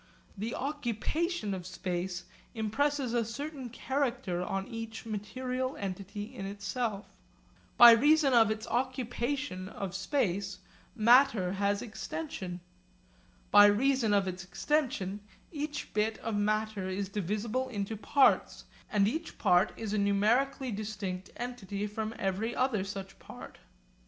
The occupation of space impresses a certain character on each material entity in itself. By reason of its occupation of space matter has extension. By reason of its extension each bit of matter is divisible into parts, and each part is a numerically distinct entity from every other such part.